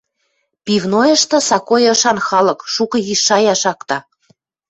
Пивнойышты — сакой ышан халык, шукы йиш шая шакта.